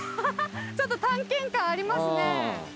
ちょっと探検感ありますね。